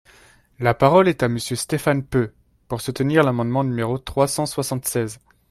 La parole est à Monsieur Stéphane Peu, pour soutenir l’amendement numéro trois cent soixante-seize.